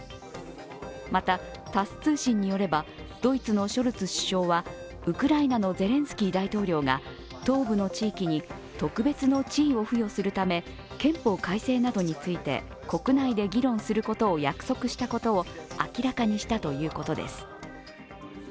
また、タス通信によればドイツのショルツ首相はウクライナのゼレンスキー大統領が東部の地域に特別の地位を付与するため憲法改正などについて国内で議論することを約束したことを明らかにしたということです。